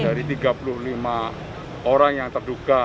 dari tiga puluh lima orang yang terduga